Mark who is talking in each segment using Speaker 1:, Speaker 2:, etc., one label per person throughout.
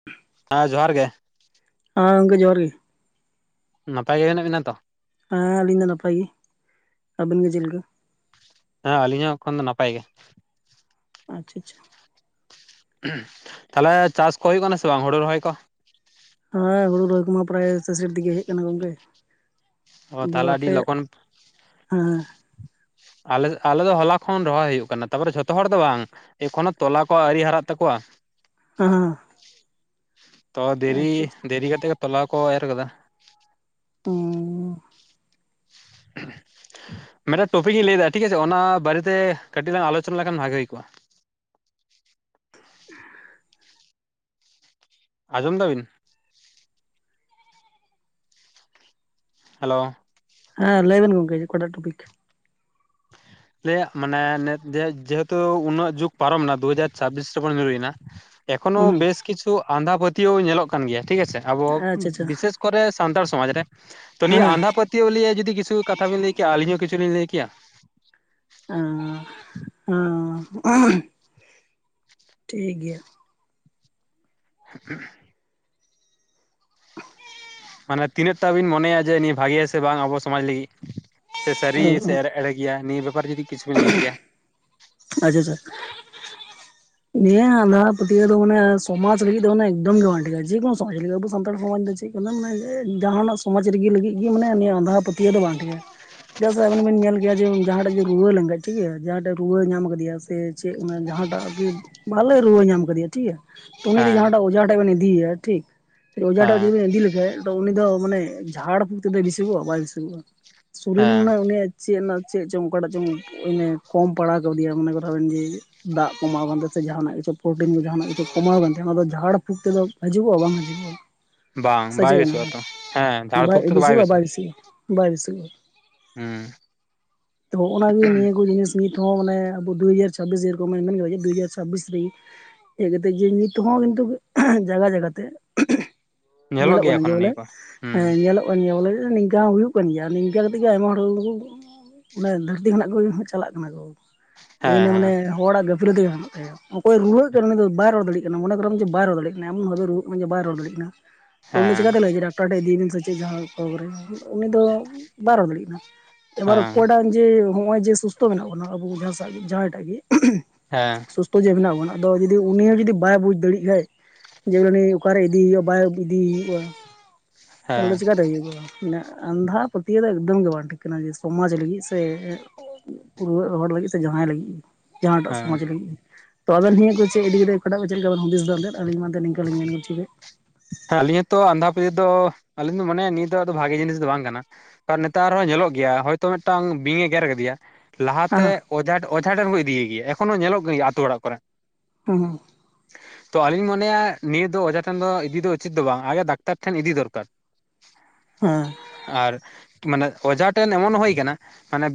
Speaker 1: [unintelligible]
Speaker 2: ᱟᱸ ᱡᱚᱦᱟᱨ ᱜᱮ᱾
Speaker 1: ᱟᱸ ᱜᱚᱝᱠᱮ ᱡᱚᱦᱟᱨ ᱜᱤ᱾
Speaker 2: ᱱᱟᱯᱟᱭ ᱜᱮ ᱢᱮᱱᱟᱜ ᱵᱤᱱᱟ ᱛᱚ?
Speaker 1: ᱦᱮᱸ, ᱟᱞᱤᱧ ᱫᱚ ᱱᱟᱯᱟᱭ ᱜᱤ ᱟᱵᱤᱱ ᱜᱤ ᱪᱤᱱᱞᱤᱠᱟ?
Speaker 2: ᱦᱮᱸ, ᱟᱞᱤᱧ ᱦᱚᱸ ᱮᱠᱷᱚᱱ ᱫᱚ ᱱᱟᱯᱟᱭ ᱜᱮ᱾
Speaker 1: ᱟᱪᱪᱷᱟ ᱟᱪᱪᱷᱟ᱾
Speaker 2: [unintelligible] ᱛᱟᱦᱚᱞᱮ ᱪᱟᱥ ᱠᱚ ᱦᱩᱭᱩᱜ ᱠᱟᱱᱟ ᱥᱮ ᱵᱟᱝ ᱦᱩᱲᱩ ᱨᱚᱦᱚᱭ ᱠᱚ?
Speaker 1: ᱦᱮᱸ, ᱦᱩᱲᱩ ᱨᱚᱦᱚᱭ ᱠᱚᱢᱟ ᱯᱨᱟᱭ ᱥᱮᱥᱮᱨ ᱫᱤᱜᱮ ᱦᱮᱡ ᱠᱟᱱᱟ ᱜᱚᱝᱠᱮ।
Speaker 2: ᱚ
Speaker 1: ᱟᱫᱚ
Speaker 2: ᱛᱟᱦᱚᱞᱮ ᱟᱹᱰᱤ
Speaker 1: ᱟᱯᱮ,
Speaker 2: ᱞᱚᱜᱚᱱ
Speaker 1: ᱦᱮᱸ᱾
Speaker 2: ᱟᱞᱮ ᱟᱞᱮ ᱫᱚ ᱦᱚᱞᱟ ᱠᱷᱚᱱ ᱨᱚᱦᱚᱭ ᱦᱩᱭᱩᱜ ᱠᱟᱱᱟ, ᱛᱟᱯᱚᱨᱮ ᱡᱷᱚᱛᱚ ᱦᱚᱲ ᱫᱚ ᱵᱟᱝ᱾ ᱮᱠᱷᱚᱱᱚ ᱛᱚᱞᱟ ᱠᱚ ᱟᱹᱣᱨᱤ ᱦᱟᱨᱟᱜ ᱛᱟᱠᱚᱣᱟ᱾
Speaker 1: [unintelligible]
Speaker 2: ᱛᱚ ᱫᱤᱨᱤ
Speaker 1: ᱟᱪᱪᱷᱟ ᱟᱪᱪᱷᱟ
Speaker 2: ᱫᱤᱨᱤ ᱠᱟᱛᱮ ᱜᱮ ᱛᱚᱞᱟ ᱠᱚ ᱮᱨ ᱠᱟᱫᱟ᱾
Speaker 1: ᱦᱩᱸᱻ᱾
Speaker 2: [unintelligible] ᱢᱤᱫᱴᱟᱝ ᱴᱚᱯᱤᱠ ᱤᱧ ᱞᱟᱹᱭᱮᱫᱟ ᱴᱷᱤᱠ ᱟᱪᱷᱮ, ᱚᱱᱟ ᱵᱟᱨᱮᱛᱮ ᱠᱟᱹᱴᱤᱡ ᱞᱟᱝ ᱟᱞᱳᱪᱚᱱᱟ ᱞᱮᱠᱷᱟᱱ ᱵᱷᱟᱜᱮ ᱦᱩᱭ ᱠᱚᱜ-ᱟ᱾
Speaker 1: [inaudible]
Speaker 2: ᱟᱸᱡᱚᱢ ᱫᱟᱵᱤᱱ? ᱦᱮᱞᱚ।
Speaker 1: ᱦᱮᱸ, ᱞᱟᱹᱭ ᱵᱮᱱ ᱜᱚᱝᱠᱮ ᱚᱠᱟᱴᱟᱜ ᱴᱚᱯᱤᱠ।
Speaker 2: [inaudible] ᱞᱟᱹᱭᱟᱜ ᱢᱟᱱᱮ ᱱᱮ ᱡᱮ ᱡᱮᱦᱮᱛᱩ ᱩᱱᱟᱹᱜ ᱡᱩᱜᱽ ᱯᱟᱨᱚᱢᱮᱱᱟ ᱫᱩ ᱦᱟᱡᱟᱨ ᱪᱷᱟᱵᱤᱥ ᱨᱮᱵᱚᱱ ᱧᱩᱨᱩᱭᱮᱱᱟ᱾ ᱮᱠᱷᱚᱱᱳ
Speaker 1: ᱦᱩᱸ
Speaker 2: ᱵᱮᱥ ᱠᱤᱪᱷᱩ ᱟᱸᱫᱷᱟ ᱯᱟᱹᱛᱭᱟᱹᱣ ᱧᱮᱞᱚᱜ ᱠᱟᱱ ᱜᱮᱭᱟ ᱴᱷᱤᱠ ᱟᱪᱷᱮ, ᱟᱵᱚ
Speaker 1: ᱟᱪᱪᱷᱟ ᱟᱪᱪᱷᱟ
Speaker 2: ᱵᱤᱥᱮᱥ ᱠᱚᱨᱮ ᱥᱟᱱᱛᱟᱲ ᱥᱚᱢᱟᱡᱽ ᱨᱮ ᱛᱚ ᱱᱤᱭᱟᱹ
Speaker 1: ᱦᱮᱸ
Speaker 2: ᱟᱸᱫᱷᱟ ᱯᱟᱹᱛ [unintelligible] ᱡᱩᱫᱤ ᱠᱤᱪᱷᱩ ᱠᱟᱛᱷᱟ ᱵᱤᱱ ᱞᱟᱹᱭ ᱠᱮᱭᱟ, ᱟᱞᱤᱧ ᱦᱚᱸ ᱠᱤᱪᱷᱩ ᱞᱤᱧ ᱞᱟᱹᱭ ᱠᱮᱭᱟ᱾
Speaker 1: [unintelligible] ᱴᱷᱤᱠ ᱜᱤᱭᱟ᱾
Speaker 2: [unintelligible] ᱢᱟᱱᱮ ᱛᱤᱱᱟᱹᱜ ᱴᱟ ᱵᱤᱱ ᱢᱚᱱᱮᱭᱟ ᱡᱮ ᱱᱤᱭᱟᱹ ᱵᱷᱟᱜᱮᱭᱟ ᱥᱮ ᱵᱟᱝ ᱟᱵᱚ ᱥᱚᱢᱟᱡᱽ ᱞᱟᱹᱜᱤᱫ? ᱥᱮ ᱥᱟᱹᱨᱤ
Speaker 1: ᱚ
Speaker 2: ᱥᱮ
Speaker 1: ᱚ
Speaker 2: ᱮᱲᱮ ᱮᱲᱮ ᱜᱮᱭᱟ ᱱᱤᱭᱟᱹ ᱵᱮᱯᱟᱨ ᱡᱩᱫᱤ ᱠᱤᱪᱷᱩ ᱵᱤᱱ ᱞᱟᱹᱭ ᱠᱮᱭᱟ᱾
Speaker 1: ᱟᱪᱪᱷᱟ ᱪᱷᱟ᱾
Speaker 2: [inaudible]
Speaker 1: ᱱᱤᱭᱟᱹ ᱟᱸᱫᱷᱟ ᱯᱟᱹᱛᱭᱟᱹᱣ ᱫᱚ ᱢᱟᱱᱮ ᱥᱚᱢᱟᱡᱽ ᱞᱟᱹᱜᱤᱫ ᱫᱚ ᱢᱟᱱᱮ ᱮᱠᱫᱚᱢ ᱜᱮ ᱵᱟᱝ ᱴᱷᱤᱠᱟ ᱡᱮ ᱠᱳᱱᱳ ᱥᱚᱢᱟᱡᱽ ᱞᱟᱹᱜᱤᱫ ᱟᱵᱚ ᱥᱟᱱᱛᱟᱲ ᱥᱚᱢᱟᱡᱽ ᱫᱚ ᱪᱮᱫ ᱢᱟᱱᱮ ᱢᱟᱱᱮ ᱡᱮ ᱡᱟᱦᱟᱱᱟᱜ ᱥᱚᱢᱟᱡᱽ ᱨᱮᱜᱤ ᱞᱟᱹᱜᱤᱫ ᱜᱮ ᱢᱟᱱᱮ ᱱᱤᱭᱟᱹ ᱟᱸᱫᱷᱟ ᱯᱟᱹᱛᱭᱟᱹᱣ ᱫᱚ ᱵᱟᱝ ᱴᱷᱤᱠᱟ᱾ ᱪᱮᱫᱟᱜ ᱥᱮ ᱟᱵᱮᱱ ᱵᱮᱱ ᱧᱮᱞ ᱜᱮᱭᱟ ᱡᱮ ᱡᱟᱦᱟᱸ ᱴᱷᱮᱜ ᱜᱮ ᱨᱩᱣᱟᱹ ᱞᱮᱱᱠᱷᱟᱱ, ᱴᱷᱤᱠ ᱜᱮᱭᱟ ᱡᱟᱦᱟᱸᱴᱷᱮᱜ ᱨᱩᱣᱟᱹ ᱧᱟᱢ ᱟᱠᱟᱫᱮᱭᱟ ᱥᱮ ᱪᱮᱫ ᱚᱱᱮ ᱡᱟᱦᱟᱸᱴᱟᱜ ᱜᱤ ᱵᱷᱟᱞᱮ ᱨᱩᱣᱟᱹ ᱧᱟᱢ ᱠᱟᱫᱮᱭᱟ ᱴᱷᱤᱠ ᱜᱮᱭᱟ᱾ ᱛᱚ ᱩᱱᱤ ᱡᱩᱫᱤ
Speaker 2: ᱦᱮᱸ
Speaker 1: ᱡᱟᱦᱟᱸᱴᱟᱜ ᱚᱡᱷᱟ ᱴᱷᱮᱜ ᱵᱮᱱ ᱤᱫᱤᱭᱮᱭᱟ ᱴᱷᱤᱠ, ᱚᱡᱷᱟ ᱴᱷᱮᱜ
Speaker 2: ᱦᱮᱸ
Speaker 1: ᱡᱩᱫᱤ ᱵᱮᱱ ᱤᱫᱤ ᱞᱮᱠᱷᱟᱱ ᱫᱚ ᱩᱱᱤ ᱫᱚ ᱢᱟᱱᱮ ᱡᱷᱟᱲ ᱯᱷᱩ ᱛᱮᱫᱚ ᱵᱮᱥᱩᱜᱚᱜ-ᱟ ᱵᱟᱭ ᱵᱮᱥᱩᱜᱚᱜ-ᱟ, ᱥᱩᱨᱤᱨ
Speaker 2: ᱦᱮᱸ
Speaker 1: ᱨᱮᱱᱟᱜ ᱩᱱᱤᱭᱟᱜ ᱪᱮᱜ ᱨᱮᱱᱟᱜ ᱪᱮᱜ ᱪᱚᱝ ᱚᱠᱟᱴᱟᱜ ᱪᱚᱝ ᱮᱱᱮ ᱠᱚᱢ ᱯᱟᱲᱟᱣ ᱠᱟᱣᱫᱮᱭᱟ ᱢᱚᱱᱮ ᱠᱚᱨᱚ ᱵᱮᱱ ᱡᱮ ᱫᱟᱜ ᱠᱚᱢᱟᱣ ᱠᱟᱱᱛᱮ ᱥᱮ ᱡᱟᱦᱟᱱᱟᱜ ᱯᱨᱚᱴᱤᱱ ᱠᱚ ᱡᱟᱦᱟᱱᱟᱜ ᱠᱩ ᱠᱚᱢᱟᱣ ᱠᱟᱱ ᱛᱟᱦᱮᱸ ᱚᱱᱟ ᱫᱚ ᱡᱷᱟᱲ ᱯᱷᱩᱠ ᱛᱮᱫᱚ ᱦᱤᱡᱩᱜᱚᱜ-ᱟ ᱵᱟᱝ ᱦᱤᱡᱩᱜᱚᱜ-ᱟ᱾
Speaker 2: ᱵᱟᱝ
Speaker 1: ᱥᱮ
Speaker 2: ᱵᱟᱭ
Speaker 1: ᱪᱮᱜ ᱵᱮᱱ
Speaker 2: ᱵᱮᱥᱚᱜᱼᱟ
Speaker 1: ᱢᱮᱱᱟ
Speaker 2: ᱛᱚ ᱦᱮᱸ ᱡᱷᱟᱲ
Speaker 1: ᱵᱟᱭ
Speaker 2: ᱯᱷᱩᱸᱠ ᱛᱮᱫᱚ
Speaker 1: ᱵᱤᱥᱩᱜᱚᱜ-ᱟ, ᱵᱟᱭ
Speaker 2: ᱵᱮᱥᱚᱜᱼᱟ
Speaker 1: ᱵᱤᱥᱩᱜᱚᱜ-ᱟ᱾ ᱵᱟᱭ ᱵᱤᱥᱟᱹᱜᱚᱜ-ᱟ,
Speaker 2: ᱦᱩᱸ
Speaker 1: ᱛᱚ ᱦᱚᱸᱜ-ᱚ ᱱᱟ ᱜᱮ ᱱᱤᱭᱟᱹ ᱠᱚ ᱡᱤᱱᱤᱥ ᱱᱤᱛ ᱦᱚᱸᱢᱟᱱᱮ ᱫᱩ ᱦᱟᱡᱟᱨ ᱪᱷᱟᱵᱤᱥ ᱨᱮ ᱫᱩ ᱦᱟᱡᱟᱨ ᱪᱷᱟᱵᱤᱥ ᱨᱤᱜᱤ ᱦᱮᱡ ᱠᱟᱛᱮ ᱡᱮ ᱱᱤᱛ ᱦᱚᱸ ᱠᱤᱱᱛᱩ ᱡᱟᱜᱟ ᱡᱟᱜᱟ ᱛᱮ᱾ ᱧᱮᱞᱚᱜ
Speaker 2: ᱜᱮᱭᱟ
Speaker 1: ᱠᱟᱱᱟ ᱡᱮ
Speaker 2: ᱮᱠᱷᱚᱱᱳ
Speaker 1: ᱵᱚᱞᱮ
Speaker 2: ᱱᱤᱭᱟᱹ ᱠᱚ ᱦᱩᱸ
Speaker 1: ᱦᱮᱸ ᱧᱮᱞᱚᱜ᱾ ᱦᱩᱭᱩᱜ ᱠᱟᱱ ᱜᱮᱭᱟ ᱵᱚᱞᱮ ᱱᱤᱝᱠᱟ ᱦᱚᱸ ᱦᱩᱭᱩᱜ ᱠᱟᱱ ᱜᱮᱭᱟ ᱱᱤᱝᱠᱟ ᱠᱟᱛᱮᱜ ᱜᱮ ᱟᱭᱢᱟ ᱦᱚᱲ ᱠᱚᱜᱮ ᱠᱩ᱾ ᱵᱚᱞᱮ ᱫᱷᱟᱹᱨᱛᱤ ᱠᱷᱚᱱᱟᱜ ᱠᱚ ᱪᱟᱞᱟᱜ ᱠᱟᱱᱟ ᱠᱚ ᱮ ᱤᱱᱟᱸᱜ ᱢᱟᱱᱮ
Speaker 2: ᱦᱮᱸ
Speaker 1: ᱦᱚᱲᱟᱜ ᱜᱟᱹᱯᱞᱟᱹ [inaudible] ᱚᱠᱚᱭ ᱨᱩᱣᱟᱹᱜ ᱠᱟᱱᱟ ᱩᱱᱤ ᱫᱚ ᱵᱟᱭ ᱨᱚᱲ ᱫᱟᱲᱮᱜ ᱠᱟᱱᱟ ᱢᱚᱱᱮ ᱠᱚᱨᱚ ᱱᱩᱭ ᱡᱮ ᱵᱟᱭ ᱨᱚᱲ ᱫᱟᱲᱮᱜ ᱠᱟᱱᱟ ᱮᱢᱚᱱ ᱵᱷᱟᱵᱮ ᱨᱩᱣᱟᱹᱜ ᱠᱟᱱᱟ ᱵᱟᱭ ᱨᱚᱲ ᱫᱟᱲᱭᱟᱜ ᱠᱟᱱᱟ᱾ ᱛᱚ ᱩᱱ ᱫᱚ
Speaker 2: ᱦᱮᱸ
Speaker 1: ᱪᱤᱠᱠᱟᱛᱮ ᱞᱟᱹᱭ ᱰᱟᱠᱛᱟᱨ ᱴᱷᱮᱱ ᱤᱫᱤᱭᱮ ᱵᱤᱱ ᱥᱮ ᱪᱮᱫ ᱡᱟᱦᱟᱸ ᱠᱚᱨᱮ ᱩᱱᱤ ᱫᱚ᱾ ᱵᱟᱭ ᱨᱚᱲ ᱫᱟᱲᱮᱭᱟᱜ ᱠᱟᱱᱟ
Speaker 2: ᱦᱮᱸ
Speaker 1: ᱮᱵᱟᱨ
Speaker 2: ᱦᱮᱸ
Speaker 1: ᱚᱠᱚᱭᱴᱟᱝ ᱡᱮ ᱱᱚᱜ ᱚᱭ ᱡᱮ ᱥᱩᱥᱛᱷ ᱢᱮᱱᱟᱜ ᱵᱚᱱᱟ ᱟᱵᱚ ᱡᱟᱦᱟ ᱡᱟᱦᱟᱸᱭ ᱴᱟᱜ ᱜᱮ᱾
Speaker 2: ᱦᱮᱸ᱾
Speaker 1: ᱥᱩᱥᱛᱷᱚ ᱡᱮ ᱢᱮᱱᱟᱜ ᱵᱚᱱᱟ ᱡᱩᱫᱤ ᱩᱱᱤ ᱦᱚᱸ ᱡᱩᱫᱤ ᱵᱟᱭ ᱵᱩᱡᱽ ᱫᱟᱲᱮᱜ ᱠᱷᱟᱡ᱾ ᱡᱮ ᱢᱟᱱᱮ ᱚᱠᱟᱨᱮ ᱤᱫᱤᱭᱮ ᱦᱩᱭᱩᱜᱼᱟ ᱵᱟᱭ ᱤᱫᱤᱭᱮ ᱦᱩᱭᱩᱜᱼᱟ ᱛᱟᱦᱚᱞᱮ ᱫᱚ ᱪᱮᱠᱟᱛᱮ ᱦᱩᱭᱩᱜᱼᱟ᱾ ᱟᱸᱫᱷᱟ ᱯᱟᱹᱛᱭᱟᱹᱣ ᱫᱚ ᱮᱠᱫᱚᱢ ᱜᱮ ᱵᱟᱝ ᱴᱷᱤᱠ ᱠᱟᱱᱟ ᱡᱮ ᱥᱚᱢᱟᱡᱽ ᱞᱟᱹᱜᱤᱫ ᱥᱮ ᱾ ᱯᱩᱨᱣᱟᱹᱜ ᱦᱚᱲ ᱞᱟᱹᱜᱤᱫ᱾ ᱡᱟᱦᱟᱸᱭ ᱞᱟᱹᱜᱤᱫ ᱜᱮ ᱡᱟᱦᱟᱸ ᱴᱟᱜ
Speaker 2: ᱦᱮᱸ
Speaker 1: ᱥᱚᱢᱟᱡᱽ ᱞᱟᱹᱜᱤᱫ ᱜᱮ ᱛᱚ ᱟᱵᱮᱱ ᱱᱤᱭᱟᱹ ᱠᱚ ᱪᱮᱫ ᱤᱫᱤ ᱠᱟᱛᱮ ᱚᱠᱟᱴᱟᱜ ᱪᱮᱫ ᱞᱮᱠᱟ ᱵᱤᱱ ᱦᱩᱫᱤᱥ ᱫᱟ᱾ ᱛᱟᱦᱞᱮᱫ ᱟᱹᱞᱤᱧ ᱢᱟᱱᱛᱮᱫ ᱱᱤᱝᱠᱟᱹᱞᱤᱧ ᱢᱮᱱᱪᱚ ᱠᱮᱫ᱾
Speaker 2: ᱦᱮᱸ ᱟᱞᱤᱧ ᱦᱚᱸᱛᱚ ᱟᱸᱫᱷᱟ ᱯᱟᱹᱛᱭᱟᱹ ᱫᱚ ᱟᱞᱤᱧ ᱫᱚ ᱢᱟᱱᱮ ᱱᱤᱭᱟᱹ ᱫᱚ ᱵᱷᱟᱜᱤ ᱡᱤᱱᱤᱥ ᱫᱚ ᱵᱟᱝ ᱠᱟᱱᱟ᱾ ᱟᱨ ᱱᱮᱛᱟᱨ ᱦᱚᱸ ᱧᱮᱞᱚᱜ ᱜᱮᱭᱟ ᱦᱚᱭᱛᱚ ᱢᱤᱫᱴᱟᱝ ᱵᱤᱧ ᱮ ᱜᱮᱨ ᱠᱟᱫᱮᱭᱟ᱾ ᱞᱟᱦᱟᱛᱮ
Speaker 1: ᱦᱮᱸ
Speaker 2: ᱚᱡᱷᱟ ᱚᱡᱷᱟ ᱴᱷᱮᱱ ᱠᱚ ᱤᱫᱤᱭᱮ ᱜᱮᱭᱟ ᱮᱠᱷᱚᱱᱳ ᱧᱮᱞᱚᱜ ᱠᱟᱱ ᱜᱮᱭᱟ ᱟᱹᱛᱩ ᱚᱲᱟᱜ ᱠᱚᱨᱮ᱾
Speaker 1: ᱦᱮᱸ
Speaker 2: ᱛᱚ ᱟᱞᱤᱧ ᱢᱚᱱᱮᱭᱟ ᱱᱤᱭᱟᱹ ᱫᱚ ᱚᱡᱷᱟ ᱴᱷᱮᱱ ᱫᱚ ᱤᱫᱤ ᱫᱚ᱾ ᱩᱪᱤᱛ ᱫᱚ ᱵᱟᱝ ᱟᱜᱮ ᱰᱟᱠᱛᱟᱨ ᱴᱷᱮᱱ ᱤᱫᱤ ᱫᱚᱨᱠᱟᱨ᱾
Speaker 1: ᱦᱮᱸ
Speaker 2: ᱟᱨ ᱢᱟᱱᱮ ᱚᱡᱷᱟ ᱴᱷᱮᱱ ᱮᱢᱚᱱ ᱦᱩᱭ ᱠᱟᱱᱟ ᱢᱟᱱᱮ᱾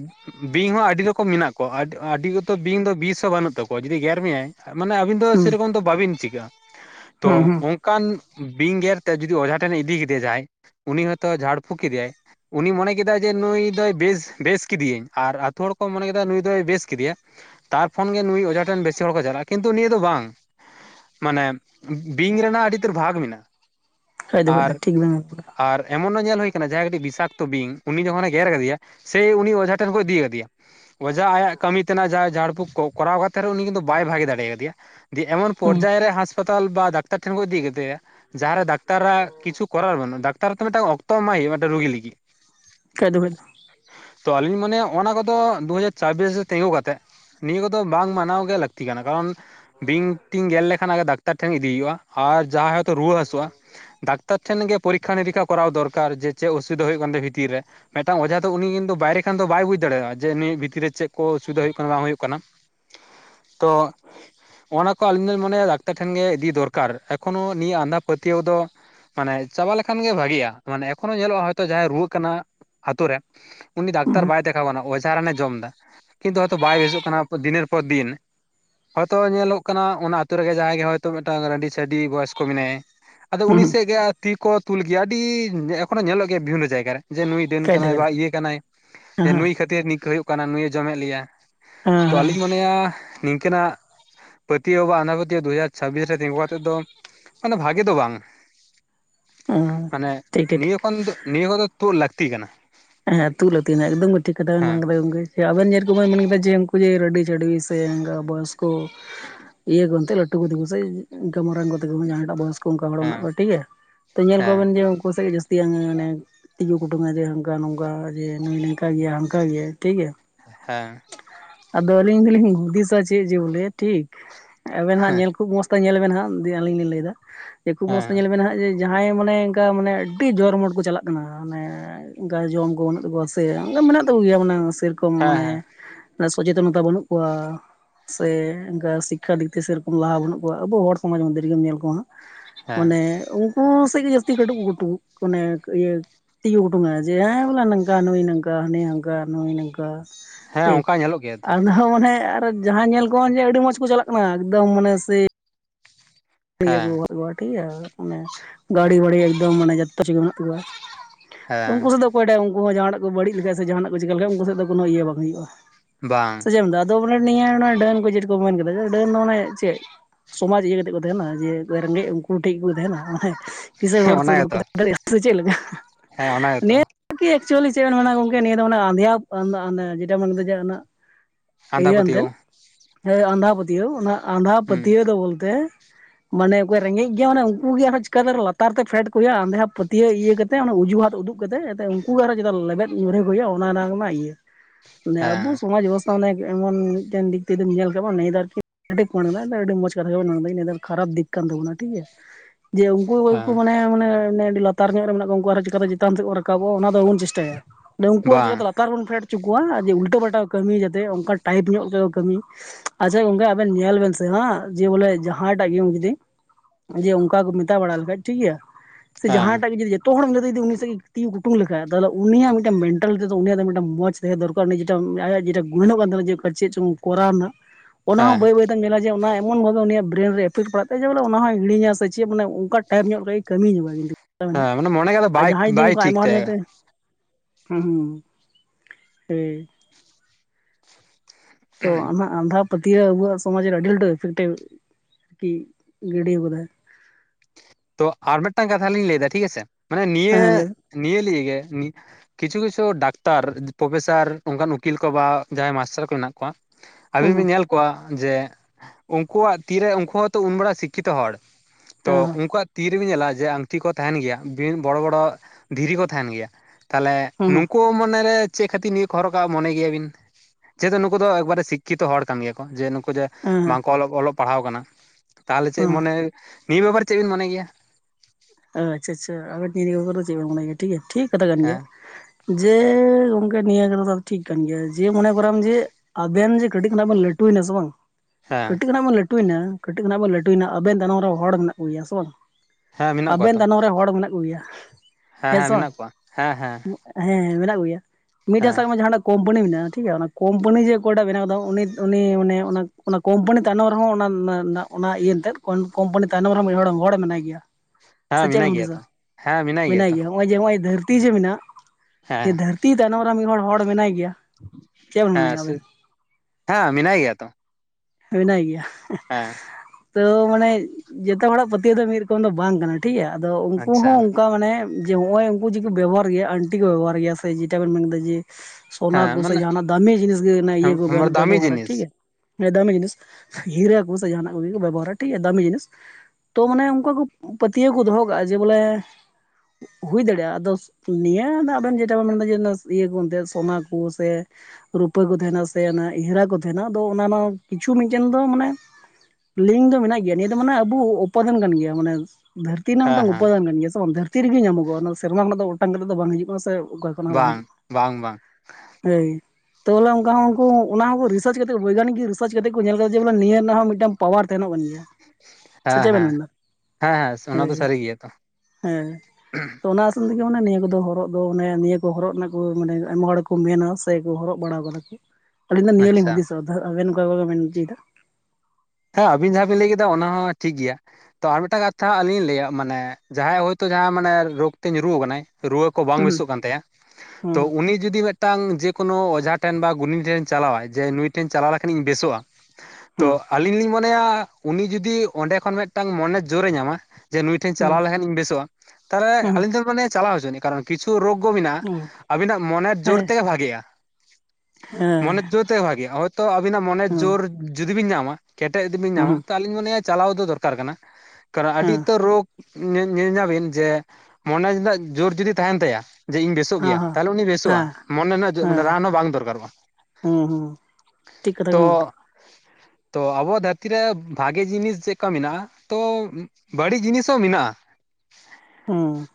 Speaker 2: ᱵᱤᱧ ᱦᱚᱸ ᱟᱹᱰᱤ ᱨᱚᱠᱚᱢ ᱢᱮᱱᱟᱜ ᱠᱚᱣᱟ ᱟᱹᱰᱤ ᱜᱮᱛᱚ ᱵᱤᱧ ᱫᱚ ᱵᱤᱥ ᱦᱚᱸ ᱵᱟᱹᱱᱩᱜ ᱛᱟᱠᱚᱣᱟ ᱡᱩᱫᱤ ᱜᱮᱨ ᱢᱮᱭᱟᱭ ᱢᱟᱱᱮ ᱟᱵᱤᱱ᱾ ᱫᱚ
Speaker 1: ᱦᱩᱸ
Speaker 2: ᱥᱮᱨᱚᱠᱚᱢ ᱫᱚ ᱵᱟᱹᱵᱤᱱ ᱪᱤᱠᱼᱟ ᱛᱚ
Speaker 1: ᱦᱩᱸ ᱦᱩᱸ
Speaker 2: ᱚᱱᱠᱟᱱ᱾ ᱵᱤᱧ ᱜᱮᱨ ᱛᱮ ᱡᱩᱫᱤ ᱚᱡᱷᱟ ᱴᱷᱮᱱᱮ ᱤᱫᱤ ᱠᱮᱫᱮᱟᱭ ᱡᱟᱦᱟᱸᱭ ᱩᱱᱤ ᱦᱚᱭᱛᱳ ᱡᱷᱟᱲ ᱯᱷᱩᱸ ᱠᱮᱫᱮᱭᱟᱭ᱾ ᱩᱱᱤ ᱢᱚᱱᱮ ᱠᱮᱫᱟᱭ ᱡᱮ ᱱᱩᱭ ᱫᱚᱭ ᱵᱮᱥ ᱵᱮᱥ ᱠᱮᱫᱮᱧ ᱟᱨ ᱟᱛᱩ ᱦᱚᱲ ᱠᱚ ᱢᱚᱱᱮ ᱠᱮᱫᱟ ᱱᱩᱭ ᱫᱚᱭ ᱵᱮᱥ ᱠᱮᱫᱮᱭᱟ᱾ ᱛᱟᱨ ᱯᱷᱚᱱ ᱜᱮ ᱱᱩᱭ ᱚᱡᱷᱟ ᱴᱷᱮᱱ ᱵᱮᱥᱤ ᱦᱚᱲ ᱠᱚ ᱪᱟᱞᱟᱜᱼᱟ ᱠᱤᱱᱛᱩ ᱱᱤᱭᱟᱹ ᱫᱚ ᱵᱟᱝ᱾ ᱢᱟᱱᱮ ᱵᱤᱧ ᱨᱮᱱᱟᱜ ᱟᱹᱰᱤ ᱩᱛᱟᱹᱨ ᱵᱷᱟᱜᱽ
Speaker 1: ᱠᱷᱟᱡ ᱫᱚ
Speaker 2: ᱢᱮᱱᱟᱜᱼᱟ
Speaker 1: ᱠᱷᱟᱡ
Speaker 2: ᱟᱨ᱾
Speaker 1: ᱫᱚ ᱴᱷᱤᱠ ᱵᱮᱱ ᱢᱮᱱ
Speaker 2: ᱟᱨ ᱮᱢᱚᱱ ᱱᱚᱣᱟ ᱧᱮᱞ ᱦᱩᱭ ᱠᱟᱱᱟ ᱡᱟᱦᱟᱸᱭ ᱠᱟᱹᱴᱤᱡ ᱵᱤᱥᱟᱠᱛᱚ ᱵᱤᱝ ᱩᱱᱤ ᱡᱚᱠᱷᱚᱱᱮ ᱜᱮᱨ ᱟᱠᱟᱫᱮᱭᱟ᱾ ᱥᱮᱭ ᱩᱱᱤ ᱚᱡᱷᱟ ᱴᱷᱮᱱ ᱠᱚ ᱤᱫᱤ ᱠᱟᱫᱮᱭᱟ᱾ ᱚᱡᱟ ᱟᱭᱟᱜ ᱠᱟᱹᱢᱤ ᱛᱮᱱᱟᱜ ᱡᱟᱦᱟ ᱡᱷᱟᱲ ᱯᱷᱩᱠ ᱠᱚᱨᱟᱣ ᱠᱟᱛᱮᱫ ᱨᱮᱦᱚ ᱩᱱᱤ ᱠᱤᱱᱛᱩ ᱵᱟᱭ ᱵᱷᱟᱜᱮ ᱫᱟᱲᱮᱭᱟᱫᱮᱭᱟ᱾ ᱫᱤᱭᱮ ᱮᱢᱚᱱ ᱯᱚᱨᱡᱟᱭ ᱨᱮ ᱦᱟᱸᱥᱯᱟᱛᱟᱞ ᱵᱟ ᱰᱟᱠᱛᱟᱨ ᱴᱷᱮᱱ ᱠᱚ ᱤᱫᱤ ᱠᱟᱫᱮᱭᱟ᱾ ᱡᱟᱦᱟᱸ ᱨᱮ ᱰᱟᱠᱛᱟᱨᱟᱜ ᱠᱤᱪᱩ ᱠᱚᱨᱟᱨ ᱵᱟᱹᱱᱩᱜ ᱰᱟᱛᱟᱨ ᱛᱚ ᱢᱤᱫᱴᱟᱝ ᱚᱠᱛᱚ ᱮᱢᱟᱭ ᱦᱩᱭᱩᱜᱼᱟ ᱢᱤᱫᱴᱮᱱ ᱨᱩᱜᱤ ᱞᱟᱹᱜᱤᱫᱤ᱾
Speaker 1: [inaudible]
Speaker 2: ᱛᱚ ᱟᱹᱞᱤᱧ ᱢᱟᱱᱮᱭᱟ ᱚᱱᱟ ᱠᱚᱫᱚ ᱫᱩ ᱦᱟᱡᱟᱨ ᱪᱷᱟᱵᱵᱤᱥ ᱨᱮ ᱛᱤᱸᱜᱩ ᱠᱟᱛᱮᱜ᱾ ᱱᱤᱭᱟᱹ ᱠᱚᱫᱚ ᱵᱟᱝ ᱢᱟᱱᱟᱣ ᱜᱮ ᱞᱟᱹᱠᱛᱤ ᱠᱟᱱᱟ ᱠᱟᱨᱚᱱ᱾ ᱵᱤᱧ ᱴᱤᱧ ᱜᱮᱨ ᱞᱮᱠᱷᱟᱱ ᱰᱟᱠᱛᱟᱨ ᱴᱷᱮᱱ ᱤᱫᱤ ᱦᱩᱭᱩᱜᱼᱟ ᱟᱨ ᱡᱟᱦᱟᱸ ᱦᱚᱭᱛᱳ ᱨᱩᱣᱟᱹ ᱦᱟᱹᱥᱩᱜᱼᱟ᱾ ᱰᱟᱠᱛᱟᱨ ᱴᱷᱮᱱ ᱜᱮ ᱯᱚᱨᱤᱠᱠᱷᱟ ᱱᱤᱨᱤᱠᱠᱷᱟ ᱠᱚᱨᱟᱣ ᱫᱚᱨᱠᱟᱨ ᱡᱮ ᱪᱮᱫ ᱚᱥᱩᱵᱤᱫᱟ ᱦᱩᱭᱩᱜ ᱠᱟᱱ ᱛᱟᱭᱟ ᱵᱷᱤᱛᱤᱨ ᱨᱮ᱾ ᱢᱤᱫᱴᱟᱝ ᱚᱡᱷᱟ ᱫᱚ ᱩᱱᱤ ᱠᱤᱱᱛᱩ ᱵᱟᱭᱨᱮ ᱠᱷᱟᱱ ᱫᱚ ᱵᱟᱭ ᱵᱩᱡᱽ ᱫᱟᱲᱮᱭᱟᱜᱼᱟ ᱡᱮ ᱱᱤᱭᱟᱹ ᱵᱷᱤᱛᱤᱨ ᱨᱮ ᱪᱮᱫ ᱠᱚ ᱚᱥᱩᱵᱤᱫᱷᱟ ᱦᱩᱭᱩᱜ ᱠᱟᱱᱟ ᱵᱟᱝ ᱦᱩᱭᱩᱜ ᱠᱟᱱᱟ᱾ [inaudible] ᱛᱚ ᱚᱱᱟ ᱠᱚ ᱟᱹᱞᱤᱧ ᱞᱤᱧ ᱢᱚᱱᱮᱭᱟ ᱰᱟᱠᱛᱟᱨ ᱴᱷᱮᱱ ᱜᱮ ᱤᱫᱤ ᱫᱚᱨᱠᱟᱨ ᱮᱠᱷᱚᱱᱳ᱾ ᱱᱤᱭᱟᱹ ᱟᱸᱫᱷᱟ ᱯᱟᱹᱛᱭᱟᱹᱣ ᱫᱚ᱾ ᱢᱟᱱᱮ ᱪᱟᱵᱟ ᱞᱮᱠᱷᱟᱱ ᱜᱮ ᱵᱷᱟᱜᱤᱜᱼᱟ ᱢᱟᱱᱮ ᱮᱠᱷᱚᱱᱳ ᱧᱮᱞᱚᱜᱼᱟᱭ ᱡᱟᱦᱟᱸᱭ ᱨᱩᱣᱟᱹᱜ ᱠᱟᱱᱟ ᱟᱛᱳ ᱨᱮ᱾ ᱩᱱᱤ ᱰᱟᱠᱛᱟᱨ
Speaker 1: ᱦᱩᱸ
Speaker 2: ᱵᱟᱭ ᱫᱮᱠᱷᱟᱣᱱᱟ ᱚᱡᱟ ᱨᱟᱱᱮ ᱡᱚᱢ ᱮᱫᱟ᱾ ᱠᱤᱱᱛᱩ ᱦᱚᱭᱛᱳ ᱵᱟᱭ ᱵᱮᱥᱚᱜ ᱠᱟᱱᱟ ᱫᱤᱱᱮᱨ ᱯᱚᱨ ᱫᱤᱱ᱾ ᱦᱚᱭᱛᱳ ᱧᱮᱞᱚᱜ ᱠᱟᱱᱟ ᱚᱱᱟ ᱟᱛᱳ ᱨᱮᱜᱮ ᱡᱟᱦᱟᱸᱭ ᱜᱮ ᱦᱳᱭᱛᱳ ᱢᱤᱫᱴᱟᱝ ᱨᱟᱺᱰᱤ ᱪᱷᱟᱹᱵᱭᱤ ᱵᱚᱭᱚᱥᱼᱼ ᱠᱚ ᱢᱮᱱᱟᱭᱟ ᱟᱫᱚ ᱩᱱᱤ
Speaker 1: ᱦᱩᱸ
Speaker 2: ᱥᱮᱫ ᱜᱮ ᱛᱤ ᱠᱚ ᱛᱩᱞ ᱜᱮᱭᱟ ᱟᱹᱰᱤ ᱮᱠᱷᱚᱱᱳ ᱧᱮᱞᱚᱜ ᱜᱮᱭᱟ ᱵᱤᱵᱷᱤᱱᱱᱚ ᱡᱟᱭᱜᱟ ᱨᱮ᱾ ᱡᱮ ᱱᱩᱭ ᱫᱟᱹᱱ
Speaker 1: ᱠᱷᱟᱡ ᱫᱚ ᱠᱷᱟᱡ ᱫᱚ
Speaker 2: ᱠᱟᱱᱟᱭ ᱵᱟ
Speaker 1: ᱦᱮᱸ
Speaker 2: ᱤᱭᱟᱹ ᱠᱟᱱᱟᱭ
Speaker 1: ᱦᱮᱸ
Speaker 2: ᱱᱩᱭ ᱠᱷᱟᱹᱛᱤᱨ ᱱᱤᱝᱠᱟᱹ ᱦᱩᱭᱩᱜ ᱠᱟᱱᱟ ᱱᱩᱭᱮ ᱡᱚᱢᱮᱫ ᱞᱮᱭᱟ᱾ ᱛᱚ
Speaker 1: ᱦᱮᱸ ᱦᱮᱸ
Speaker 2: ᱟᱹᱞᱤᱧ ᱢᱚᱱᱮᱭᱟ ᱱᱤᱝᱠᱟᱹᱱᱟᱜᱼᱼ ᱯᱟᱹᱛᱭᱟᱹᱣ ᱵᱟ ᱟᱱᱫᱷᱟ ᱯᱟᱹᱛᱭᱟᱹᱣ ᱫᱩᱦᱟᱡᱟᱨ ᱪᱷᱟᱵᱤᱥ ᱨᱮ ᱛᱤᱜᱩ ᱠᱟᱛᱮᱫ ᱫᱚ ᱢᱟᱱᱮ ᱵᱷᱟᱜᱮ ᱫᱚ ᱵᱟᱝ
Speaker 1: ᱦᱮᱸ
Speaker 2: ᱢᱟᱱᱮ
Speaker 1: ᱴᱷᱤᱠ ᱴᱷᱤᱠ ᱴᱷᱤᱠ
Speaker 2: ᱱᱤᱭᱟᱹ ᱠᱷᱚᱱ ᱫᱚ ᱱᱤᱭᱟᱹ ᱠᱚᱫᱚ ᱮᱠᱴᱩ ᱞᱟᱹᱠᱛᱤ ᱠᱟᱱᱟ ᱾
Speaker 1: ᱦᱮ ᱛᱩᱜ ᱞᱟᱠᱛᱤ ᱠᱟᱱᱟ ᱮᱫᱚᱢ ᱜᱮ ᱴᱷᱤᱠ ᱠᱟᱛᱷᱟ ᱵᱮᱱ ᱢᱮᱱ ᱠᱟᱫᱟ ᱜᱚᱢᱠᱮ᱾ ᱟᱵᱮᱱ ᱡᱮᱨᱚᱠᱚᱢ ᱵᱮᱱ ᱢᱮᱱ ᱠᱮᱫᱟ ᱡᱮ ᱩᱱᱠᱩ ᱡᱮ ᱨᱟᱹᱰᱤ ᱪᱟᱹᱰᱩᱭ ᱥᱮ ᱵᱚᱭᱚᱥ ᱠᱚ᱾ ᱤᱭᱟᱹ ᱠᱚ ᱮᱱᱛᱮ ᱞᱟᱹᱴᱩ ᱠᱚᱛᱮ ᱠᱚ ᱥᱮ ᱤᱱ ᱢᱟᱨᱟᱝ ᱠᱚᱛᱮ ᱠᱚ ᱡᱟᱦᱟᱸᱭ ᱴᱟᱜ ᱵᱚᱭ ᱚᱱᱠᱟ ᱦᱚᱲ
Speaker 2: ᱦᱮᱸ
Speaker 1: ᱢᱮᱱᱟᱜ ᱠᱚᱣᱟ ᱴᱷᱤᱠ ᱜᱮᱭᱟ ᱛᱚ ᱧᱮᱞ
Speaker 2: ᱦᱮᱸ
Speaker 1: ᱠᱚᱵᱮᱱ ᱡᱮ ᱩᱱᱠᱩ ᱥᱮᱡ ᱜᱮ ᱡᱟᱹᱥᱛᱤ ᱛᱤ ᱠᱩ ᱠᱩᱴᱩᱝᱟ ᱡᱮ ᱱᱚᱝᱠᱟ ᱡᱮ ᱱᱩᱭ ᱱᱝᱠᱟ ᱜᱮᱭᱟ ᱦᱟᱱᱠᱟ ᱜᱮᱭᱟ ᱴᱷᱤᱠ ᱜᱮᱭᱟ ᱾
Speaker 2: ᱦᱮᱸ᱾
Speaker 1: ᱟᱫᱚ ᱟᱹᱞᱤᱧ ᱫᱚᱞᱤᱧ ᱦᱩᱫᱤᱥᱟ ᱪᱮᱫ ᱡᱮ ᱵᱚᱞᱮ ᱴᱷᱤᱠ ᱟᱵᱮᱱ ᱦᱟᱸᱜ ᱧᱮᱞ ᱠᱷᱩᱵ ᱢᱚᱸᱡᱽ ᱛᱮ ᱧᱮᱞ ᱵᱮᱱ ᱦᱟᱸᱜ ᱟᱞᱤᱧ ᱞᱤᱧ ᱞᱟᱹᱭ ᱮᱫᱟ ᱡᱮ ᱠᱷᱩᱵ
Speaker 2: ᱦᱮᱸ
Speaker 1: ᱢᱚᱸᱡᱽ ᱛᱮ
Speaker 2: ᱦᱮᱸ
Speaker 1: ᱧᱮᱞ ᱵᱮᱱ ᱦᱟᱸᱜ ᱡᱮ ᱡᱟᱦᱟᱸᱭ ᱢᱟᱱᱮ ᱚᱱᱠᱟ ᱢᱟᱱᱮ ᱟᱹᱰᱤ ᱡᱳᱨ ᱢᱳᱴ ᱠᱚ ᱪᱟᱞᱟᱜ ᱠᱟᱱᱟ ᱢᱟᱱᱮ ᱚᱱᱠᱟ ᱡᱚᱢ ᱠᱚ ᱵᱟᱹᱱᱩᱜ ᱛᱟᱠᱚᱣᱟ ᱥᱮ ᱚᱱᱠᱟ ᱢᱮᱱᱟᱜ ᱛᱟᱠᱚ ᱜᱮᱭᱟ ᱢᱟᱱᱮ ᱥᱮᱨᱚᱠᱚᱢ
Speaker 2: ᱦᱮᱸ ᱦᱮᱸ
Speaker 1: ᱢᱟᱱᱮ ᱥᱚᱪᱮᱛᱚᱱᱚᱛᱟ ᱵᱟᱹᱱᱩᱜ ᱠᱚᱣᱟ ᱾ ᱥᱮ ᱚᱱᱠᱟ ᱥᱤᱠᱷᱟ ᱫᱤᱠᱛᱮ ᱥᱮᱨᱚᱠᱚᱢ ᱞᱟᱦᱟ ᱵᱟᱱᱩᱜ ᱠᱚᱣᱟ ᱟᱵᱚ ᱦᱚᱲ ᱥᱚᱢᱟᱡᱽ ᱢᱚᱫᱽᱫᱷᱮ ᱨᱮᱜᱮ ᱧᱮᱞ ᱠᱚᱣᱟ ᱦᱟᱸᱜ ᱾
Speaker 2: ᱦᱮᱸ
Speaker 1: ᱢᱟᱱᱮ ᱩᱱᱠᱩ ᱥᱮᱡ ᱜᱮ ᱡᱟᱹᱥᱛᱤ ᱠᱟᱹᱴᱩ ᱠᱟᱹᱴᱩ ᱢᱟᱱᱮ ᱤᱭᱟᱹ ᱛᱤᱭᱳᱴ ᱾ ᱛᱩ ᱡᱮ ᱵᱚᱞᱟ ᱱᱟᱝᱠᱟ ᱱᱩᱭ ᱱᱟᱝᱠᱟ ᱦᱟᱱᱤ ᱦᱟᱝᱠᱟ ᱱᱩᱭ ᱱᱟᱝᱠᱟ
Speaker 2: ᱦᱮᱸ
Speaker 1: ᱴᱷᱤᱠ
Speaker 2: ᱚᱱᱠᱟ ᱧᱮᱞᱚᱜ ᱜᱮᱭᱟ ᱛᱚ
Speaker 1: ᱟᱨᱦᱚᱸ ᱢᱟᱱᱮ ᱟᱨᱚ ᱡᱟᱦᱟᱸ ᱧᱮᱞ ᱠᱚᱢ ᱡᱮ ᱟᱹᱰᱤ ᱢᱚᱸᱡᱽ ᱠᱚ ᱪᱟᱞᱟᱜ ᱠᱟᱱᱟ ᱮᱠᱫᱚᱢ ᱢᱟᱱᱮ ᱥᱮ ᱟᱹᱜᱩ
Speaker 2: ᱦᱮᱸ
Speaker 1: ᱟᱠᱟᱫ ᱠᱚᱣᱟ ᱴᱷᱤᱠ ᱜᱮᱭᱟ ᱢᱟᱱᱮ ᱜᱟᱹᱲᱤ ᱵᱟᱹᱲᱤ ᱮᱠᱫᱚᱢ ᱢᱟᱱᱮ ᱡᱚᱛᱚ ᱠᱤᱪᱷᱩ ᱢᱮᱱᱟᱜ ᱛᱟᱠᱚᱣᱟ ᱾ ᱛᱚ
Speaker 2: ᱦᱮᱸ
Speaker 1: ᱩᱱᱠᱩ ᱥᱮᱫ ᱫᱚ ᱚᱠᱚᱭᱴᱟᱜ ᱩᱱᱠᱩ ᱦᱚᱸ ᱡᱟᱦᱟᱱᱟᱜ ᱠᱚ ᱵᱟᱹᱲᱤᱡ ᱞᱮᱠᱟᱱ ᱥᱮ ᱡᱟᱦᱟᱱᱟᱜ ᱠᱚ ᱪᱤᱠᱟ ᱞᱮᱠᱷᱟᱡ ᱩᱱᱠᱩ ᱥᱮᱫ ᱫᱚ ᱠᱚᱱᱳ ᱤᱭᱟᱹ ᱵᱟᱝ ᱦᱩᱭᱩᱜᱼᱟ ᱾
Speaker 2: ᱵᱟᱝ᱾
Speaker 1: ᱪᱮᱫ ᱮᱢ ᱟᱫᱚ ᱵᱚᱞᱮ ᱱᱤᱭᱟᱹ ᱰᱟᱹᱱ ᱠᱚ ᱪᱮᱫ ᱠᱚ ᱢᱮᱱ ᱠᱮᱫᱟ ᱰᱟᱹᱱ ᱫᱚ ᱢᱟᱱᱮ ᱪᱮᱫ ᱥᱚᱢᱟᱡᱽ ᱤᱭᱟᱹ ᱠᱟᱛᱮ ᱠᱚ ᱛᱟᱦᱮᱱᱟ ᱡᱮ ᱨᱮᱸᱜᱮᱡ ᱩᱱᱠᱩ ᱴᱷᱮᱱ ᱜᱮ ᱠᱚ ᱛᱟᱦᱮᱱᱟ ᱚᱱᱮ ᱠᱤᱥᱟᱹᱲ
Speaker 2: ᱦᱮᱸ
Speaker 1: ᱦᱚᱲ
Speaker 2: ᱚᱱᱟ
Speaker 1: ᱛᱩᱞᱩᱡ ᱵᱟᱠᱚ
Speaker 2: ᱜᱮᱛᱚ
Speaker 1: ᱥᱮ ᱪᱮᱫ ᱞᱮᱠᱟ?
Speaker 2: ᱦᱮᱸ ᱚᱱᱟ ᱜᱮᱛᱚ
Speaker 1: [inaudible] ᱟᱨᱠᱤ ᱮᱠᱪᱩᱭᱮᱞᱤ ᱪᱮᱫ ᱵᱮᱱ ᱢᱮᱱᱟ ᱜᱚᱢᱠᱮ ᱱᱤᱭᱟᱹ ᱫᱚ ᱟᱸᱫᱷᱟ ᱡᱮᱴᱟ ᱢᱟᱱᱮ ᱫᱚ ᱡᱮ
Speaker 2: ᱟᱸᱫᱷᱟ
Speaker 1: ᱤᱭᱟᱹ
Speaker 2: ᱯᱟᱹᱛᱭᱟᱹᱣ
Speaker 1: ᱮᱱᱛᱮᱫ ᱦᱮᱸ ᱟᱸᱫᱷᱟ ᱯᱟᱹᱛᱭᱟᱹᱣ ᱚᱱᱟ ᱟᱸᱫᱷᱟ
Speaker 2: ᱦᱩᱸ
Speaker 1: ᱯᱟᱹᱛᱭᱟᱹᱣ ᱫᱚ ᱵᱚᱞᱛᱮ ᱢᱟᱱᱮ ᱚᱠᱚᱭ ᱨᱮᱸᱜᱮᱡ ᱜᱮᱭᱟ ᱢᱟᱱᱮ ᱩᱱᱠᱩ ᱜᱮ ᱟᱨᱚᱸ ᱪᱤᱠᱟᱛᱮ ᱞᱟᱛᱟᱨ ᱛᱮ ᱯᱷᱮᱰ ᱠᱚ ᱦᱩᱭᱩᱜ-ᱟ ᱟᱸᱫᱷᱟ ᱯᱟᱹᱛᱭᱟᱹ ᱤᱭᱟᱹ ᱠᱟᱛᱮ ᱾ ᱮᱱᱛᱮ ᱚᱱᱟ ᱩᱡᱩ ᱦᱟᱛ ᱩᱫᱩᱜ ᱠᱟᱛᱮᱫ ᱮᱱᱛᱮ ᱩᱱᱠᱩ ᱜᱮ ᱟᱨᱚ ᱡᱮᱫᱟ ᱞᱮᱵᱮᱫ ᱧᱩᱨᱦᱩ ᱠᱚ ᱦᱩᱭᱩᱜᱼᱟ ᱚᱱᱟ ᱨᱮᱱᱟᱜ ᱤᱭᱟᱹ᱾
Speaker 2: [unintelligible]
Speaker 1: ᱢᱟᱱᱮ ᱟᱵᱩ ᱥᱚᱢᱟᱡ ᱵᱮᱵᱚᱥᱷᱟ ᱮᱢᱚᱱ ᱢᱤᱫᱴᱮᱱ ᱫᱤᱠ ᱛᱤᱭᱮᱢ ᱧᱮᱞ ᱠᱮᱫ ᱟᱨᱠᱤ ᱢ ᱟᱹᱰᱤ ᱢᱚᱡᱽ ᱠᱟᱛᱷᱟ ᱜᱮ ᱢᱮᱱᱫᱟ ᱱ [inaudible] ᱠᱷᱟᱨᱟᱯ ᱫᱤᱠ ᱠᱟᱱ ᱛᱟᱵᱚᱱᱟ ᱴᱷᱤᱠ ᱜᱮᱭᱟ ᱡᱮ ᱩᱱᱠᱩ ᱚᱠᱚᱭ
Speaker 2: ᱦᱮᱸ
Speaker 1: ᱠᱚ ᱢᱟᱱᱮ ᱢᱟᱱᱮ ᱟᱰᱤ ᱞᱟ ᱛᱟᱨ ᱧᱚᱜ ᱨᱮ ᱢᱮᱱᱟᱜ ᱠᱚ ᱩᱱᱠᱩ ᱟᱨᱚ ᱪᱤᱠᱟᱛᱮ ᱪᱮᱛᱟᱱ ᱥᱮᱫ ᱠᱚ ᱨᱟᱠᱟᱵᱚᱜᱼᱟ ᱚᱱᱟ ᱫᱚ ᱵᱟᱵᱚᱱ ᱪᱮᱥᱴᱟᱭᱟ ᱩᱱᱠᱩᱣᱟᱜ
Speaker 2: ᱵᱟᱝ
Speaker 1: ᱪᱤᱠᱟᱛᱮ ᱞᱟᱛᱟᱨ ᱞᱟᱛᱟᱨ ᱵᱚᱱ ᱯᱷᱮᱰ ᱪᱚ ᱠᱚᱣᱟ ᱡᱮ ᱩᱞᱴᱟᱹ ᱯᱟᱞᱴᱟᱣ ᱠᱟᱹᱢᱤ ᱡᱟᱛᱮ ᱚᱱᱠᱟ ᱴᱟᱭᱤᱯ ᱧᱚᱜ ᱦᱚᱪᱚ ᱠᱚ ᱠᱟᱹᱢᱤ ᱟᱪᱷᱟ ᱜᱚᱝᱠᱮ ᱟᱵᱮᱱ ᱧᱮᱞ ᱵᱮᱱ ᱥᱮ ᱦᱟᱜ ᱡᱮ ᱵᱚᱞᱮ ᱡᱟᱦᱟ ᱡᱟᱦᱟᱸᱴᱟᱜ ᱜᱮ ᱡᱩᱫᱤ ᱡᱮ ᱚᱱᱠᱟ ᱠᱚ ᱢᱮᱛᱟ ᱵᱟᱲᱟ ᱞᱮᱠᱷᱟᱡ ᱴᱷᱤᱠ ᱜᱮᱭᱟ ᱥᱮ
Speaker 2: ᱦᱮᱸ
Speaker 1: ᱡᱟᱦᱟᱸᱴᱟᱜ ᱜᱮ ᱡᱩᱫᱤ ᱡᱚᱛᱚ ᱦᱚᱲᱮᱢ ᱞᱟᱹᱭᱟ ᱡᱩᱫᱤ ᱩᱱᱤ ᱥᱮ ᱛᱤ ᱠᱩᱴᱩᱝ ᱞᱮᱠᱷᱡ ᱛᱟᱦᱚᱞᱮ ᱩᱱᱤᱭᱟᱜ ᱢᱤᱫᱴᱮᱱ ᱢᱮᱱᱴᱟᱞ ᱛᱚ ᱩᱱᱤᱭᱟᱜ ᱫᱚ ᱢᱤᱫᱴᱟᱝ ᱢᱚᱡᱽ ᱥᱮ ᱫᱚᱨᱠᱟᱨ ᱩᱱᱤ ᱡᱮᱴᱟ ᱟᱭᱟᱜ ᱡᱮᱴᱟ ᱜᱩᱱᱟᱹᱱᱚᱜ ᱠᱟᱱ ᱛᱟᱦᱮᱱᱟ ᱡᱮ ᱪᱮᱫ ᱪᱚᱝ ᱠᱚᱨᱟᱣ ᱱᱟᱦᱟᱜ᱾
Speaker 2: [unintelligible]
Speaker 1: ᱚᱱᱟ ᱦᱚᱸ ᱵᱟᱹᱭ ᱵᱟᱹᱭᱛᱮᱢ ᱧᱮᱞᱟ ᱡᱮ ᱚᱱᱟ ᱮᱢᱚᱱ ᱵᱷᱟᱵᱮ ᱩᱱᱟᱜ ᱾ ᱵᱨᱮᱱ ᱨᱮ ᱮᱯᱷᱮᱠᱴ ᱯᱟᱲᱟᱜ ᱛᱟᱭᱟ ᱡᱮ ᱵᱚᱞᱮ ᱚᱱᱟ ᱦᱚᱸ ᱦᱤᱲᱤᱧᱟ ᱥᱮ ᱪᱮᱫ ᱢᱟᱱᱮ ᱚᱱᱠᱟ ᱴᱟᱭᱤᱢ ᱧᱚᱜ ᱨᱮᱭ ᱠᱟᱹᱢᱤ ᱧᱚᱜᱼᱟ ᱠᱤᱱᱛᱩ ᱾
Speaker 2: ᱦᱮᱸ ᱢᱟᱱᱮ ᱢᱚᱱᱮ ᱜᱮ ᱟᱫᱚ
Speaker 1: [unintelligible] ᱟᱨ
Speaker 2: ᱵᱟᱭ
Speaker 1: ᱡᱟᱦᱟᱸᱭ ᱡᱩᱫᱤ
Speaker 2: ᱵᱟᱭ
Speaker 1: ᱚᱱᱠᱟ
Speaker 2: ᱴᱷᱤᱠ
Speaker 1: ᱟᱭᱢᱟ
Speaker 2: ᱛᱟᱭᱟ
Speaker 1: ᱦᱚᱲᱟᱛᱮ ᱦᱩᱸᱦᱩᱸ, ᱮᱸ᱾ ᱛᱚ, ᱟᱢᱟᱜ ᱟᱸᱫᱷᱟ ᱯᱟᱹᱛᱭᱟᱹᱣ ᱟᱵᱚᱣᱟᱜ ᱥᱚᱢᱟᱡᱽ ᱨᱮ ᱟᱹᱰᱤ ᱞᱟᱹᱴᱩ ᱮᱯᱷᱮᱠᱴᱮ ᱟᱨᱠᱤ ᱜᱤᱰᱤ ᱟᱠᱟᱫᱟᱭ᱾
Speaker 2: ᱛᱚ ᱟᱨ ᱢᱮᱫᱴᱟᱝ ᱠᱟᱛᱷᱟ ᱞᱤᱧ ᱞᱟᱹᱭᱫᱟ ᱴᱷᱤᱠ ᱟᱪᱷᱮ ᱢᱟᱱᱮ ᱱᱤᱭᱟᱹ
Speaker 1: ᱦᱮᱸ ᱞᱟᱹᱭ
Speaker 2: ᱱᱤᱭᱟᱹ ᱞᱤᱭᱮ ᱜᱮ᱾ ᱠᱤᱪᱷᱩ ᱠᱤᱪᱷᱩ ᱰᱟᱠᱛᱟᱨ, ᱯᱨᱚᱯᱷᱮᱥᱟᱨ, ᱚᱝᱠᱟᱱ ᱩᱠᱤᱞ ᱠᱚ ᱵᱟ ᱡᱟᱦᱟᱸᱭ ᱢᱟᱥᱴᱟᱨ ᱠᱚ ᱢᱮᱱᱟᱜ ᱠᱚᱣᱟ᱾
Speaker 1: ᱦᱮᱸ
Speaker 2: ᱟᱹᱵᱤᱱ ᱵᱤᱱ ᱧᱮᱞ ᱠᱚᱣᱟ ᱡᱮ ᱩᱝᱠᱩᱣᱟᱜ ᱛᱤᱨᱮ, ᱩᱝᱠᱩ ᱦᱚᱸᱛᱚ ᱩᱱ ᱵᱚᱲᱟ ᱥᱤᱠᱠᱷᱤᱛᱚ ᱦᱚᱲ᱾
Speaker 1: ᱦᱮᱸ
Speaker 2: ᱛᱚ
Speaker 1: ᱦᱮᱸ
Speaker 2: ᱩᱝᱠᱩᱣᱟᱜ ᱛᱤ ᱨᱮᱵᱮᱱ ᱧᱮᱞᱟ ᱡᱮ ᱟᱝᱴᱤ ᱠᱚ ᱛᱟᱸᱦᱮᱱ ᱜᱮᱭᱟ, ᱵᱤᱻ ᱵᱚᱲᱚ ᱵᱚᱲᱚ ᱫᱷᱤᱨᱤ ᱠᱚ ᱛᱟᱸᱦᱮᱱ ᱜᱮᱭᱟ᱾ ᱛᱟᱦᱞᱮ
Speaker 1: ᱦᱮᱸ
Speaker 2: ᱱᱩᱠᱩ ᱢᱚᱱᱮᱨᱮ ᱪᱮᱫ ᱠᱷᱟᱹᱛᱤᱨ ᱱᱤᱭᱟᱹ ᱠᱚ ᱦᱚᱨᱚᱜ ᱠᱟᱜ-ᱟ ᱢᱚᱱᱮ ᱜᱮᱭᱟᱵᱤᱱ? ᱡᱮᱦᱮᱛᱩ ᱱᱩᱠᱩ ᱫᱚ ᱮᱠᱵᱟᱨᱮ ᱥᱤᱠᱠᱷᱤᱛᱚ ᱦᱚᱲ ᱠᱟᱱ ᱜᱮᱭᱟ ᱠᱚ ᱡᱮ ᱱᱩᱠᱩ ᱫᱚ
Speaker 1: ᱦᱮᱸ
Speaker 2: ᱵᱟᱝᱠᱚ ᱚᱞᱚᱜ ᱯᱟᱲᱦᱟᱣ ᱠᱟᱱᱟ, ᱛᱟᱦᱞᱮ ᱪᱮᱫ
Speaker 1: ᱦᱮᱸ
Speaker 2: ᱢᱟᱱᱮ ᱱᱤᱭᱟᱹ ᱵᱮᱯᱟᱨ ᱪᱮᱫ ᱵᱤᱱ ᱢᱚᱱᱮᱭ ᱜᱮᱭᱟ?
Speaker 1: ᱟᱪᱪᱷᱟ ᱟᱪᱪᱷᱟ, ᱟᱨ ᱱᱤᱭᱟᱹ ᱠᱚᱨᱮ ᱪᱮᱫ ᱵᱤᱱ ᱢᱚᱱᱮᱭ ᱜᱮᱭᱟ, ᱴᱷᱤᱠ ᱜᱮᱭᱟ ᱴᱷᱤᱠ ᱠᱟᱛᱷᱟ ᱠᱟᱱ ᱜᱮᱭᱟ?
Speaker 2: ᱦᱮᱸ
Speaker 1: ᱡᱮ, ᱜᱚᱝᱠᱮ ᱱᱤᱭᱟᱹ ᱠᱚᱨ ᱫᱚ ᱴᱷᱤᱠ ᱠᱟᱱ ᱜᱮᱭᱟ᱾ ᱡᱮ, ᱢᱚᱱᱮ ᱠᱚᱨᱟᱢ ᱡᱮ ᱟᱵᱮᱱ ᱡᱮ ᱠᱟᱹᱴᱤᱡ ᱠᱷᱚᱱᱟᱜ ᱵᱮᱱ ᱞᱟᱹᱴᱩᱭᱮᱱᱟ ᱥᱮ ᱵᱟᱝ?
Speaker 2: ᱦᱮᱸ
Speaker 1: ᱠᱟᱹᱴᱤᱡ ᱠᱷᱚᱱᱟᱜ ᱵᱮᱱ ᱞᱟᱹᱴᱩᱭᱱᱟ, ᱠᱟᱹᱴᱤᱡ ᱠᱷᱚᱱᱟᱜ ᱵᱮᱱ ᱞᱟᱹᱴᱩᱭᱱᱟ ᱟᱵᱮᱱ ᱛᱟᱭᱱᱚᱢ ᱨᱮ ᱦᱚᱲ ᱢᱮᱱᱟᱜ ᱠᱚᱜᱮᱭᱟ ᱥᱮ ᱵᱟᱝ?
Speaker 2: ᱦᱮᱸ ᱢᱮᱱᱟᱜ ᱠᱚᱣᱟ
Speaker 1: ᱟᱵᱮᱱ
Speaker 2: ᱛᱚ
Speaker 1: ᱛᱟᱭᱱᱚᱢ ᱨᱮ ᱦᱚᱲ ᱢᱮᱱᱟᱜ ᱠᱚᱜᱮᱭᱟ ᱦᱮᱸ ᱥᱮ ᱵᱟᱝ?
Speaker 2: ᱢᱮᱱᱟᱜ ᱠᱚᱣᱟ ᱦᱮᱸ ᱦᱮᱸ
Speaker 1: ᱦᱮᱸ ᱦᱮᱸ ᱢᱮᱱᱟᱜ ᱠᱚᱜᱮᱭᱟ᱾ ᱢᱤᱫᱴᱮᱝ
Speaker 2: ᱦᱮᱸ
Speaker 1: ᱥᱟᱵ ᱠᱟᱜᱢᱮ ᱡᱟᱸᱦᱟᱱᱟᱜ ᱠᱳᱢᱯᱟᱱᱤ ᱢᱮᱱᱟᱜ-ᱟ ᱴᱷᱤᱠ ᱜᱮᱭᱟ, ᱚᱱᱟ ᱠᱳᱢᱯᱟᱱᱤ ᱡᱮ ᱚᱠᱚᱭᱴᱟᱜ ᱵᱮᱣᱟᱣ ᱠᱟᱫᱟ ᱩᱱᱤ ᱩᱱᱤ ᱢᱟᱱᱮ ᱚᱱᱟ ᱠᱳᱢᱯᱟᱱᱤ ᱛᱟᱭᱱᱚᱢ ᱨᱮᱦᱚᱸ ᱚᱱᱟ ᱚᱱᱟ ᱤᱭᱟᱹ ᱮᱱᱛᱮᱫ ᱠᱳᱢᱯᱟᱱᱤ ᱛᱟᱭᱱᱚᱢ ᱨᱮᱦᱚᱸ ᱢᱤᱫ ᱦᱚᱲ ᱦᱚᱲ ᱦᱚᱲ ᱢᱮᱱᱟᱭ ᱜᱮᱭᱟ᱾ ᱥᱮ
Speaker 2: ᱦᱮᱸ
Speaker 1: ᱪᱮᱫ
Speaker 2: ᱢᱮᱱᱟᱭ
Speaker 1: ᱵᱮᱱ
Speaker 2: ᱜᱮᱭᱟ
Speaker 1: ᱦᱩᱫᱤᱥᱟ?
Speaker 2: ᱛᱚ ᱦᱮᱸ
Speaker 1: ᱢᱮᱱᱟᱭ
Speaker 2: ᱛᱚ
Speaker 1: ᱜᱮᱭᱟ᱾ ᱱᱚᱜ-ᱚᱭ ᱡᱮ ᱱᱚᱜ-ᱚᱭ ᱫᱷᱟᱹᱨᱛᱤ ᱡᱮ ᱢᱮᱱᱟᱜ,
Speaker 2: ᱦᱮᱸ
Speaker 1: ᱫᱷᱟᱹᱨᱛᱤ ᱛᱟᱭᱱᱚᱢ ᱨᱮ ᱢᱤᱫ ᱦᱚᱲ, ᱦᱚᱲ ᱢᱮᱱᱟᱭ ᱜᱮᱭᱟ᱾ ᱪᱮᱫ ᱵᱮᱱ
Speaker 2: ᱦᱮᱸ
Speaker 1: ᱢᱚᱱᱮᱭᱟ
Speaker 2: ᱥᱮ,
Speaker 1: ᱟᱵᱮᱱ
Speaker 2: ᱦᱮᱸ ᱢᱮᱱᱟᱭ ᱜᱮᱭᱟ ᱛᱚ᱾
Speaker 1: ᱢᱮᱱᱟᱭ ᱜᱮᱭᱟ᱾
Speaker 2: ᱦᱮᱸ᱾
Speaker 1: ᱛᱟᱹᱣ ᱢᱟᱱᱮ ᱡᱚᱛᱚ ᱦᱚᱲᱟᱜ ᱯᱟᱹᱛᱭᱟᱹᱣ ᱫᱚ ᱢᱤᱫ ᱨᱚᱠᱚᱢ ᱫᱚ ᱵᱟᱝ ᱠᱟᱱᱟ ᱴᱷᱤᱠᱜᱮᱭᱟ᱾ ᱟᱫᱚ ᱩᱝᱠᱩ
Speaker 2: ᱟᱪᱪᱷᱟ
Speaker 1: ᱦᱚᱸ ᱚᱝᱠᱟ ᱢᱟᱱᱮ ᱡᱮ ᱦᱚᱸᱜ-ᱚᱭ ᱩᱝᱠᱩ ᱡᱮᱠᱚ ᱵᱮᱵᱚᱦᱟᱨ ᱜᱮᱭᱟ ᱟᱱᱴᱤ ᱠᱚ ᱵᱮᱵᱚᱦᱟᱨ ᱜᱮᱭᱟ ᱥᱮ ᱡᱮᱴᱟ ᱵᱮᱱ ᱢᱮᱱ ᱠᱮᱫᱟ ᱡᱮ ᱥᱚᱱᱟ ᱠᱚ
Speaker 2: ᱦᱮᱸ
Speaker 1: ᱥᱮ
Speaker 2: ᱢᱟᱱᱮ
Speaker 1: ᱡᱟᱸᱦᱟᱱᱟᱜ ᱫᱟᱢᱤ ᱡᱤᱱᱤᱥ ᱜᱮ ᱚᱱᱟ ᱤᱭᱟᱹ ᱠᱚᱵᱮᱱ
Speaker 2: ᱫᱟᱢᱤ
Speaker 1: ᱵᱮᱵᱚᱦᱟᱨᱟ
Speaker 2: ᱡᱤᱱᱤᱥ
Speaker 1: ᱴᱷᱤᱠ ᱜᱮᱭᱟ? ᱦᱮᱸ ᱫᱟᱢᱤ ᱡᱤᱱᱤᱥ, ᱦᱤᱨᱟᱹ ᱠᱚᱥᱮ ᱡᱟᱸᱦᱱᱟᱜ ᱠᱚᱜᱮ ᱵᱮᱵᱚᱦᱟᱨᱟ ᱴᱷᱤᱠ ᱜᱮᱭᱟ ᱫᱟᱢᱤ ᱡᱤᱱᱤᱥ᱾ ᱛᱚ ᱢᱟᱱᱮ ᱚᱝᱠᱟ ᱠᱚ ᱯᱟᱹᱛᱭᱟᱹᱣ ᱠᱚ ᱫᱚᱦᱚ ᱠᱟᱜ-ᱟ ᱡᱮ ᱵᱚᱞᱮ ᱦᱩᱭ ᱫᱟᱲᱮᱭᱟᱜ-ᱟ, ᱟᱫᱚ ᱱᱤᱭᱟᱹ ᱫᱚ ᱟᱵᱮᱱ ᱡᱮᱴᱟ ᱵᱮᱱ ᱢᱮᱱᱫᱟ ᱡᱮ ᱤᱭᱟᱹ ᱠᱚ ᱮᱱᱛᱮᱫ ᱥᱚᱱᱟ ᱠᱚ ᱥᱮ ᱨᱩᱯᱟᱹ ᱠᱚ ᱛᱮᱦᱮᱱᱟ ᱥᱮ ᱚᱱᱟ ᱦᱤᱨᱟ ᱠᱚ ᱛᱟᱦᱮᱱᱟ ᱟᱫᱚ ᱚᱱᱟ ᱠᱤᱪᱷᱩ ᱢᱤᱫᱴᱮᱱ ᱫᱚ ᱢᱟᱱᱮ ᱞᱤᱝᱠ ᱫᱚ ᱢᱮᱱᱟᱜ ᱜᱮᱭᱟ ᱱᱤᱭᱟᱹ ᱫᱚ ᱢᱟᱱᱮ ᱟᱵᱚ ᱩᱯᱟᱫᱟᱱ ᱠᱟᱱ ᱜᱮᱭᱟ ᱢᱟᱱᱮ᱾ ᱫᱷᱟᱹᱨᱛᱤ ᱨᱮᱱᱟᱝ
Speaker 2: ᱦᱮᱸ
Speaker 1: ᱢᱤᱫᱴᱟᱝ
Speaker 2: ᱦᱮᱸ
Speaker 1: ᱩᱯᱟᱫᱟᱱ ᱠᱟᱱ ᱜᱮᱭᱟ ᱥᱮ ᱵᱟᱝ, ᱫᱷᱟᱹᱨᱛᱤ ᱨᱮᱜᱮ ᱧᱟᱢᱚᱜ-ᱟ᱾ ᱚᱱᱟ ᱥᱮᱨᱢᱟ ᱨᱮᱱᱟᱜ ᱫᱚ ᱚᱴᱟᱝ ᱠᱟ ᱠᱟᱛᱮᱫ ᱫᱚ ᱵᱟᱝ ᱦᱤᱡᱩᱜ-ᱟ ᱠᱟᱱᱟ ᱥᱮ ᱚᱠᱟ ᱚᱱᱟ ᱦᱚᱸ ᱵᱟᱝ ᱦᱤᱡᱩᱜ-ᱟ᱾
Speaker 2: ᱵᱟᱝ ᱵᱟᱝ
Speaker 1: ᱮᱭ, ᱛᱚ ᱚᱱᱮ ᱚᱝᱠᱟ ᱦᱚᱸ ᱩᱱᱠᱩ ᱚᱱᱟ ᱦᱚᱸᱠᱩ ᱨᱤᱥᱟᱨᱪ ᱠᱟᱛᱮ ᱵᱳᱭᱜᱟᱱᱤᱠ ᱜᱤ ᱨᱤᱥ ᱥᱟᱪ ᱠᱟᱛᱮ ᱠᱚ ᱧᱮᱞ ᱠᱟᱫᱟ ᱡᱮ ᱵᱚᱞᱮ ᱱᱤᱭᱟᱹ ᱨᱮᱱᱟᱜ ᱦᱚᱸ ᱢᱤᱫᱴᱟᱝ ᱯᱟᱣᱟᱨ ᱛᱟᱦᱮᱱᱚᱜ ᱠᱟᱱ ᱜᱮᱭᱟ᱾
Speaker 2: ᱦᱮᱸ
Speaker 1: ᱥᱮ ᱪᱮᱫ ᱵᱮᱱ
Speaker 2: ᱦᱮᱸ
Speaker 1: ᱢᱮᱱᱫᱟ?
Speaker 2: ᱦᱮᱸ ᱚᱱᱟ
Speaker 1: ᱦᱮᱸ
Speaker 2: ᱫᱚ ᱥᱟᱹᱨᱤ ᱜᱮᱭᱟ ᱛᱚ
Speaker 1: ᱦᱮᱸ᱾ ᱛᱚ ᱚᱱᱟ ᱛᱮᱜᱮ ᱚᱱᱮ ᱱᱤᱭᱟᱹ ᱠᱚᱫᱚ ᱦᱚᱨᱚᱜ ᱫᱚ ᱚᱱᱮ ᱱᱤᱭᱟᱹ ᱠᱚ ᱦᱚᱨᱚᱜ ᱨᱮᱱᱟᱜ ᱠᱚ ᱢᱟᱱᱮ ᱟᱭᱢᱟ ᱦᱚᱲ ᱠᱚ ᱢᱮᱱᱟ ᱥᱮᱠᱚ ᱦᱚᱨᱚᱜ ᱵᱟᱲᱟᱣ ᱠᱟᱫᱟ᱾ ᱟᱞᱤᱧ ᱫᱚ ᱱᱤᱭᱟᱹᱞᱤᱧ
Speaker 2: ᱟᱪᱪᱷᱟ
Speaker 1: ᱦᱩᱫᱤᱥᱚᱜ-ᱟ᱾ ᱟᱵᱮᱱ ᱚᱠᱟ ᱠᱚᱫᱚ ᱵᱮᱱ ᱤᱭᱟᱹᱭᱫᱟ?
Speaker 2: ᱦᱮᱸ ᱟᱵᱤᱱ ᱡᱟᱦᱟᱸ ᱵᱤᱱ ᱞᱟᱹᱭ ᱠᱮᱫᱟ ᱚᱱᱟ ᱦᱚᱸ ᱴᱷᱤᱠ ᱜᱮᱭᱟ᱾ ᱛᱚ ᱟᱨ ᱢᱤᱫᱴᱟᱝ ᱠᱟᱛᱷᱟ ᱟᱞᱤᱧ ᱞᱤᱧ ᱞᱟᱹᱭᱟ ᱢᱟᱱᱮ, ᱡᱟᱦᱟᱸᱭ ᱦᱳᱭᱛᱳ ᱡᱟᱦᱟᱸ ᱢᱟᱱᱮ ᱨᱳᱜ ᱛᱮ ᱧᱩᱨᱩ ᱠᱟᱱᱟᱭ ᱨᱩᱣᱟᱹ ᱠᱚ ᱵᱟᱝ
Speaker 1: ᱦᱩᱸ
Speaker 2: ᱵᱮᱥᱚᱜ ᱠᱟᱱ ᱛᱟᱭᱟ
Speaker 1: ᱦᱩᱸ
Speaker 2: ᱛᱚ ᱩᱱᱤ ᱡᱩᱫᱤ ᱢᱮᱫ ᱢᱮᱫᱴᱟᱝ ᱡᱮ ᱠᱳᱱᱳ ᱚᱡᱷᱟ ᱴᱷᱮᱱ ᱵᱟ ᱜᱩᱱᱤ ᱴᱷᱮᱱ ᱪᱟᱞᱟᱣᱟᱭ ᱡᱮ ᱱᱩᱭ ᱴᱷᱮᱱ ᱪᱟᱞᱟᱣ ᱞᱮᱠᱷᱟᱱ ᱤᱧ ᱵᱮᱥᱚᱜ-ᱟ᱾ ᱛᱚ
Speaker 1: ᱦᱩᱸ
Speaker 2: ᱟᱹᱞᱤᱧ ᱞᱤᱧ ᱢᱚᱱᱮᱭᱟ ᱩᱱᱤ ᱡᱩᱫᱤ ᱚᱸᱰᱮ ᱠᱷᱚᱱ ᱢᱮᱫᱴᱟᱝ ᱢᱚᱱᱮ ᱡᱳᱨᱮ ᱧᱟᱢᱟ᱾ ᱡᱮ ᱱᱩᱭ ᱴᱷᱮᱱ ᱪᱟᱞᱟᱣ ᱞᱮᱠᱷᱟᱱᱤᱧ ᱵᱮᱥᱚᱜ-ᱟ᱾ ᱛᱟᱦᱞᱮ
Speaker 1: ᱦᱩᱸ
Speaker 2: ᱟᱞᱤᱧ ᱫᱚ ᱢᱟᱱᱮ ᱪᱟᱞᱟᱣ ᱦᱚᱪᱚ ᱱᱤᱡ ᱠᱟᱨᱚᱱ ᱠᱤᱪᱷᱩ ᱨᱳᱜ ᱠᱚ ᱢᱮᱱᱟᱜ-ᱟ
Speaker 1: ᱦᱩᱸ ᱦᱩᱸ
Speaker 2: ᱟᱹᱵᱤᱱᱟᱜ ᱢᱚᱱᱮᱨ
Speaker 1: ᱦᱮᱸ ᱦᱮᱸ
Speaker 2: ᱡᱳᱨᱛᱮᱜᱮ ᱵᱷᱟᱜᱮᱜ-ᱟ᱾ ᱢᱚᱱᱮ ᱡᱳᱨ ᱛᱮᱜᱮ ᱵᱷᱟᱜᱮ-ᱟ ᱦᱚᱭᱛᱚ ᱟᱵᱤᱱᱟᱜ ᱢᱚᱱᱮ ᱡᱳᱨ
Speaker 1: ᱦᱩᱸ
Speaker 2: ᱡᱩᱫᱤ ᱵᱮᱱ ᱧᱟᱢᱟ ᱠᱮᱴᱮᱡ ᱡᱩᱫᱤ ᱵᱤᱱ ᱧᱟᱢᱟ
Speaker 1: ᱦᱩᱸ
Speaker 2: ᱛᱚ ᱟᱹᱞᱤᱧ ᱢᱚᱱᱮᱭᱟ ᱪᱟᱞᱟᱣ ᱫᱚᱨᱠᱟᱨ ᱠᱟᱱᱟ ᱠᱟᱨᱚᱱ ᱟᱹᱰᱤ
Speaker 1: ᱦᱮᱸ ᱦᱮᱸ
Speaker 2: ᱩᱛᱟᱹᱨ ᱨᱳᱜᱽ ᱧᱮᱧᱟᱵᱤᱱ ᱡᱮ ᱢᱚᱱᱮᱹ ᱨᱮᱱᱟᱜ ᱡᱳᱨ ᱡᱩᱫᱤ ᱛᱟᱦᱮᱱ ᱛᱟᱭᱟ, ᱡᱮ ᱤᱧ ᱵᱮᱥᱚᱜ ᱜᱮᱭᱟ
Speaker 1: ᱦᱮᱸ
Speaker 2: ᱛᱟᱦᱚᱞᱮ ᱩᱱᱤ ᱵᱮᱥᱚᱜ-ᱟ
Speaker 1: ᱦᱮᱸ
Speaker 2: ᱢᱚᱱᱮ ᱨᱮᱱᱟᱜ
Speaker 1: ᱦᱮᱸ
Speaker 2: ᱨᱟᱱ ᱦᱚᱸ ᱵᱟᱝ ᱫᱚᱨᱠᱟᱨᱚᱜ-ᱟ᱾
Speaker 1: ᱦᱩᱸ ᱦᱩᱸ ᱴᱷᱤᱠ ᱠᱟᱛᱷᱟ
Speaker 2: ᱛᱚ ᱟᱵᱚᱣᱟᱜ ᱫᱷᱟᱹᱨᱛᱤ ᱨᱮ ᱵᱷᱟᱜᱮ ᱡᱤᱱᱤᱥ ᱪᱮᱜᱠᱟ ᱢᱤᱱᱟᱜ-ᱟ ᱛᱚ ᱵᱟᱹᱲᱤᱡ ᱡᱤᱱᱤᱥ ᱦᱚᱸ ᱢᱤᱱᱟᱜ-ᱟ᱾
Speaker 1: ᱦᱩᱸ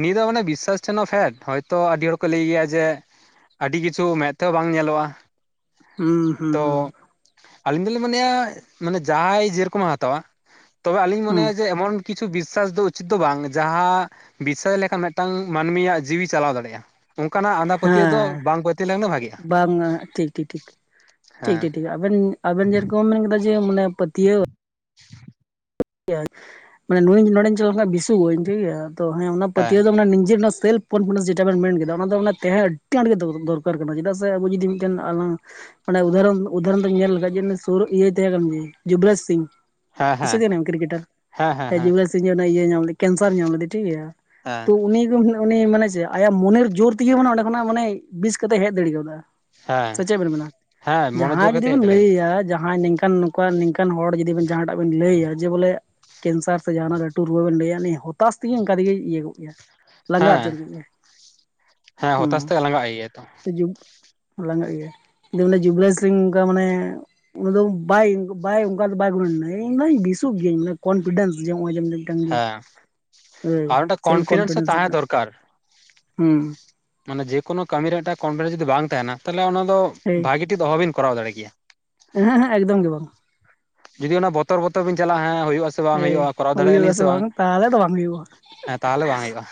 Speaker 2: ᱱᱤᱭᱟᱹ ᱫᱚ ᱢᱟᱱᱮ ᱵᱤᱥᱥᱟᱥ ᱴᱷᱮᱱᱟ ᱯᱷᱮᱰ ᱦᱚᱭᱛᱚ ᱟᱹᱰᱤ ᱦᱚᱲ ᱠᱚ ᱞᱟᱹᱭ ᱜᱮᱭᱟ ᱡᱮ ᱟᱹᱰᱤ ᱠᱤᱪᱷᱩ ᱢᱮᱫ ᱛᱮᱦᱚᱸ ᱵᱟᱝ ᱧᱮᱞᱚᱜ-ᱟ
Speaker 1: ᱦᱩᱸ ᱦᱩᱸ ᱦᱩᱸ
Speaker 2: ᱟᱞᱤᱧ ᱫᱚᱞᱤᱧ ᱢᱚᱱᱮᱭᱟ ᱢᱟᱱᱮ ᱡᱟᱦᱟᱸᱭ ᱡᱮ ᱨᱚᱠᱚᱢᱮ ᱦᱟᱛᱟᱣᱟ ᱛᱚᱵᱮ ᱟᱹᱞᱤᱧ
Speaker 1: ᱦᱩᱸ
Speaker 2: ᱢᱚᱱᱮᱭᱟ ᱡᱮ ᱮᱢᱚᱱ ᱠᱤᱪᱷᱩ ᱵᱤᱥᱥᱟᱥ ᱫᱚ ᱩᱪᱤᱛ ᱫᱚ ᱵᱟᱝ ᱡᱟᱦᱟᱸ ᱵᱤᱥᱥᱟᱥ ᱞᱮᱠᱷᱟᱱ ᱢᱤᱫᱴᱟᱝ ᱢᱟᱹᱱᱢᱤᱭᱟᱜ ᱡᱤᱣᱤ ᱪᱟᱞᱟᱣ ᱫᱟᱲᱮᱜ-ᱟ᱾ ᱚᱝᱠᱟᱱᱟᱜ ᱟᱸᱫᱷᱟ
Speaker 1: ᱦᱮᱸ
Speaker 2: ᱯᱟᱹᱛᱭᱟᱹᱣ ᱫᱚ ᱵᱟᱝ ᱯᱟᱹᱛᱭᱟᱹᱣ ᱞᱮᱱᱠᱷᱟ ᱜᱮ ᱵᱷᱟᱜᱮ-ᱟ᱾
Speaker 1: ᱵᱟᱝᱟ ᱴᱷᱤᱠ ᱴᱷᱤᱠ ᱴᱷᱤᱠ ᱴᱷᱤᱠ ᱴᱷᱤᱠ ᱴᱷᱤᱠ ᱟᱵᱮᱱ ᱟᱵᱮᱱ ᱡᱮᱨᱚᱠᱚᱢ ᱢᱮᱱ ᱠᱮᱫᱟ ᱡᱮ ᱢᱟᱱᱮ ᱯᱟᱹᱛᱭᱟᱹᱣ
Speaker 2: [inaudible]
Speaker 1: ᱢᱟᱱᱮ ᱱᱩᱭ ᱱᱚᱰᱮᱧ ᱪᱟᱞᱟᱣ ᱞᱮᱠᱷᱟᱱ ᱵᱤᱥᱩ ᱜᱟᱹᱧ ᱴᱷᱤᱠᱜᱮᱭᱟ ᱛᱚ ᱦᱮᱸ ᱚᱱᱟ ᱯᱟᱹᱛᱭᱟᱹᱣ ᱫᱚ ᱱᱤᱡᱮᱨ ᱨᱮᱱᱟᱜ ᱥᱮᱞᱯ ᱠᱚᱱᱯᱷᱤᱰᱮᱱᱥ ᱡᱮᱴᱟ ᱵᱮᱱ ᱢᱮᱱ ᱠᱮᱫᱟ ᱚᱱᱟ ᱫᱚ ᱚᱱᱟ ᱛᱮᱦᱮᱸ ᱟᱹᱰᱤ ᱟᱸᱴ ᱜᱮ ᱫᱚᱨᱠᱟᱨ ᱠᱟᱱᱟ, ᱪᱮᱫᱟᱜ ᱥᱮ ᱟᱵᱚ ᱡᱩᱫᱤ ᱢᱤᱫᱴᱮᱱ ᱟᱞᱟᱝ ᱚᱱᱟ ᱩᱫᱟᱦᱟᱨᱚᱱ ᱩᱫᱟᱦᱚᱨᱚᱱ ᱛᱮ ᱧᱮᱞ ᱞᱮᱠᱟᱱᱡ ᱡᱮ ᱥᱳᱨᱳ ᱤᱭᱟᱹᱭ ᱛᱟᱦᱮᱸ ᱠᱟᱱᱟ ᱡᱮ ᱡᱩᱵᱨᱟᱡ ᱥᱤᱝ
Speaker 2: ᱦᱮᱸ ᱦᱮᱸ᱾
Speaker 1: ᱠᱤᱨᱠᱮᱴᱟᱨ
Speaker 2: ᱦᱮᱸ ᱦᱮᱸ ᱦᱮᱸ
Speaker 1: ᱡᱤᱢᱱᱟ ᱥᱤᱢ ᱚᱱᱮ ᱤᱭᱟᱹ ᱧᱟᱢ ᱞᱮᱫᱭᱟ ᱠᱮᱱᱥᱟᱨ ᱧᱟᱢ ᱞᱮᱫᱮ ᱭᱟ ᱴᱷᱤᱠᱜ ᱜᱮᱭᱟᱱ
Speaker 2: ᱦᱮᱸ
Speaker 1: ᱛᱚ ᱩᱱᱤ ᱩᱱᱤ ᱢᱟᱱᱮ ᱪᱮᱜ ᱟᱭᱟᱜ ᱢᱚᱱᱮᱨ ᱡᱳᱨ ᱛᱮᱜᱮ ᱢᱟᱱᱮ ᱚᱸᱰᱮ ᱠᱷᱚᱱᱟᱜ ᱢᱟᱱᱮ ᱵᱤᱥ ᱠᱟᱛᱮ ᱦᱮᱡ ᱫᱟᱲᱮᱣᱫᱟ᱾ ᱥᱮ
Speaker 2: ᱦᱮᱸ
Speaker 1: ᱪᱮᱫ ᱵᱮᱱ ᱢᱮᱱᱟ
Speaker 2: ᱦᱮᱸ ᱢᱚᱱᱮ ᱡᱳᱨ
Speaker 1: ᱡᱟᱦᱟᱸᱭ
Speaker 2: ᱠᱟᱛᱮ ᱦᱮᱡ
Speaker 1: ᱡᱩᱫᱤᱢ
Speaker 2: ᱫᱟᱲᱮᱭᱟᱜᱼᱟ
Speaker 1: ᱞᱟᱹᱭᱟ ᱡᱟᱦᱟᱸᱭ ᱱᱤᱝᱠᱟᱱ ᱠᱚ ᱱᱤᱝᱠᱟᱱ ᱦᱚᱲ ᱡᱩᱫᱤ ᱵᱮᱱ ᱡᱟᱦᱟᱸᱴᱟᱜ ᱵᱮᱱ ᱞᱟᱹᱭ ᱭᱟ ᱡᱮ ᱵᱚᱞᱮ, ᱠᱮᱱᱥᱟᱨ ᱥᱮ ᱡᱟᱦᱟᱱᱟᱜ ᱞᱟᱹᱴᱩ ᱨᱩᱣᱟᱹ ᱵᱮᱱ ᱞᱟᱹᱭᱟ ᱦᱚᱛᱟᱥ ᱛᱮᱜᱮ ᱚᱱᱠᱟ ᱛᱮᱜᱮ ᱤᱭᱟᱹ ᱠᱚᱜ ᱠᱮᱭᱟ᱾ ᱞᱟᱸᱜᱟ ᱩᱛᱟᱹᱨ
Speaker 2: ᱦᱮᱸ
Speaker 1: ᱠᱚᱜ ᱠᱮᱭᱟ
Speaker 2: ᱦᱮᱸ ᱦᱚᱛᱟᱥ
Speaker 1: ᱦᱩᱸ
Speaker 2: ᱛᱮ ᱞᱟᱸᱜᱟᱜ ᱟᱭ ᱛᱚ
Speaker 1: ᱡᱩ ᱞᱟᱸᱟᱜ ᱜᱮᱭᱟ ᱡᱩᱵᱽᱞᱥᱝ ᱚᱝᱠᱟ ᱢᱟᱱᱮ ᱩᱱᱤ ᱫᱚ ᱵᱟᱭ ᱵᱟᱭ ᱚᱝᱠᱟ ᱫᱚ ᱵᱟᱭ ᱜᱩᱱᱟᱱᱟ ᱤᱧᱫᱚᱧ ᱵᱤᱥᱩᱜ ᱜᱤᱭᱟᱹᱟᱹᱧᱮ ᱠᱚᱱᱯᱷᱤᱰᱮᱱᱥ ᱡᱮ ᱱᱚ ᱡᱮ ᱡᱮ
Speaker 2: ᱦᱮᱸ,
Speaker 1: ᱦᱳᱭ
Speaker 2: ᱟᱨ ᱢᱤᱫᱴᱮᱱ
Speaker 1: ᱥᱮᱞᱯᱷ
Speaker 2: ᱠᱚᱱᱯᱷᱤᱰᱮᱱᱥ ᱦᱚᱸ ᱛᱟᱸᱦᱮ
Speaker 1: ᱨᱮᱱᱟᱜ
Speaker 2: ᱫᱚᱨᱠᱟᱨ᱾
Speaker 1: ᱦᱩᱸ
Speaker 2: ᱢᱟᱱᱮ ᱡᱮ ᱠᱳᱱᱳ ᱠᱟᱹᱢᱤ ᱨᱮ ᱢᱤᱫᱴᱟᱜ ᱠᱚᱱᱯᱷᱤᱰᱮᱱᱥ ᱡᱩᱫᱤ ᱵᱟᱝ ᱛᱟᱦᱮᱱᱟ ᱛᱟᱦᱞᱮ ᱚᱱᱟ ᱫᱚ ᱵᱷᱟᱜᱤ ᱴᱷᱤᱠ ᱫᱚ ᱚᱦᱚ ᱵᱤᱱ ᱠᱚᱨᱟᱣ ᱫᱟᱲᱮ ᱠᱮᱭᱟ᱾
Speaker 1: ᱮᱦᱮᱸ ᱮᱦᱮᱸ ᱮᱠᱫᱚᱢ ᱜᱮ ᱵᱟᱝ᱾
Speaker 2: ᱡᱩᱫᱤ ᱚᱱᱟ ᱵᱚᱛᱚᱨ ᱵᱚᱛᱚᱨ ᱵᱤᱱ ᱪᱟᱞᱟᱜ-ᱟ ᱦᱮᱸ ᱦᱩᱭᱩᱜ-ᱟ ᱥᱮ ᱵᱟᱝ
Speaker 1: ᱦᱳᱭ
Speaker 2: ᱦᱩᱭᱩᱜ-ᱟ, ᱠᱚᱨᱟᱣ ᱫᱟᱲᱮᱜ
Speaker 1: ᱦᱩᱭᱩᱜ
Speaker 2: ᱟᱞᱤᱧ ᱥᱮ
Speaker 1: ᱟᱥᱮ
Speaker 2: ᱵᱟᱝ
Speaker 1: ᱛᱟᱦᱚᱞᱮ ᱫᱚ ᱵᱟᱝ ᱦᱩᱭᱩᱜᱼᱟ
Speaker 2: ᱦᱮᱸ ᱛᱟᱦᱚᱞᱮ ᱵᱟᱝ ᱦᱩᱭᱩᱜ-ᱟ᱾